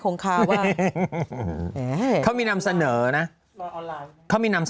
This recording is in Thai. ก็เกิดว่าไปถาม